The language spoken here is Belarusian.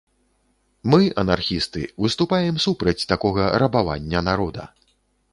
Мы, анархісты, выступаем супраць такога рабавання народа.